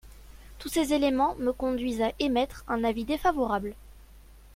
Tous ces éléments me conduisent à émettre un avis défavorable.